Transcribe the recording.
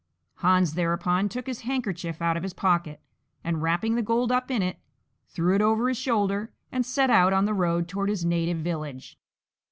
Hans thereupon took his handkerchief out of his pocket, and, wrapping the gold up in it, threw it over his shoulder and set out on the road toward his native village.